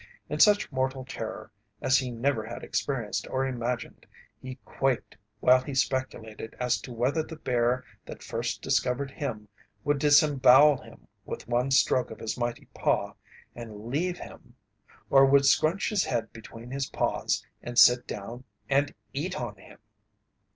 In such mortal terror as he never had experienced or imagined he quaked while he speculated as to whether the bear that first discovered him would disembowel him with one stroke of his mighty paw, and leave him, or would scrunch his head between his paws and sit down and eat on him?